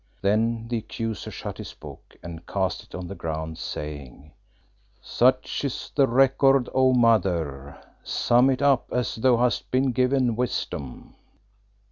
Then the Accuser shut his book and cast it on the ground, saying "Such is the record, O Mother. Sum it up as thou hast been given wisdom."